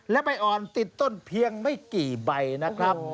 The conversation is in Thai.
และใบอ่อนติดต้นเพียงไม่กี่ใบนะครับ